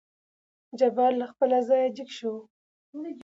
جبار له خپل ځايه جګ شو.